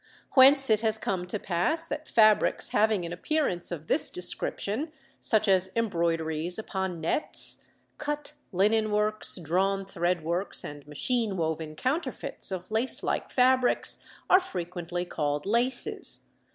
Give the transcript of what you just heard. Whence it has come to pass that fabrics having an appearance of this description, such as embroideries upon nets, cut linen works, drawn thread works, and machine woven counterfeits of lace like fabrics, are frequently called laces.